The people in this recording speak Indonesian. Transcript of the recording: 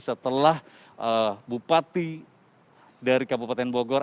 setelah bupati dari kabupaten bogor